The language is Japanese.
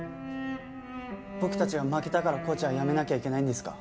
僕たちが負けたからコーチは辞めなきゃいけないんですか？